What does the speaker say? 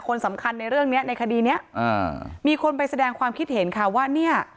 คนสำคัญในเรื่องเนี้ยในคดีเนี้ยอ่ามีคนไปแสดงความคิดเห็นค่ะว่าเนี่ย